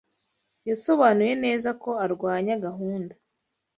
Yasobanuye neza ko arwanya gahunda.